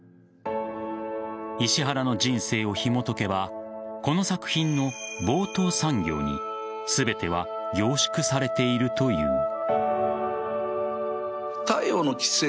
石原の人生をひもとけばこの作品の冒頭３行に全ては凝縮されているという。